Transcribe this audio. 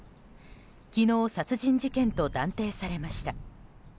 昨日殺人事件と断定されました。